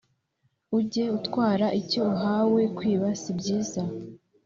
Ujye utwara icyo uhawe kwiba sibyiza